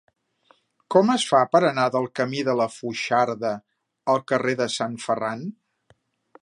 Com es fa per anar del camí de la Foixarda al carrer de Sant Ferran?